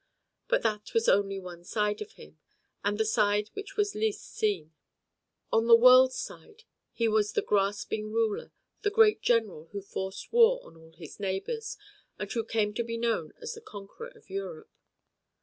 But that was only one side of him, and the side which was least seen. On the world's side he was the grasping ruler, the great general who forced war on all his neighbors, and who came to be known as the conqueror of Europe.